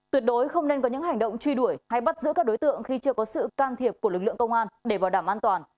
tuyệt đối không nên có những hành động truy đuổi hay bắt giữ các đối tượng khi chưa có sự can thiệp của lực lượng công an để bảo đảm an toàn